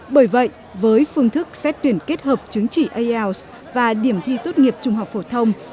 bởi vậy với phương thức xét tuyển kết hợp chứng chỉ ielts và điểm thi tốt nghiệp trung học phổ thông